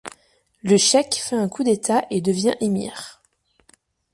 Le cheik fait un coup d'État et devient émir.